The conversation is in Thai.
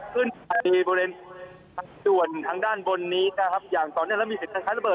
ขึ้นในบริเวณทางส่วนทางด้านบนนี้นะครับอย่างตอนนี้แล้วมีสิทธิ์การค้ายระเบิด